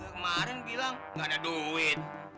kemarin bilang gak ada duit